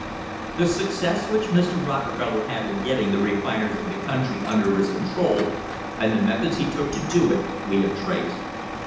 The success which Mr. Rockefeller had in getting the refiners of the country under his control, and the methods he took to do it, we have traced.